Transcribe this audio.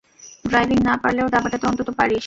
Driving না পারলেও দাবাটা তো অন্তত পারিস।